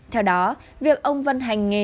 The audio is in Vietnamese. theo đó việc ông vân hành nghề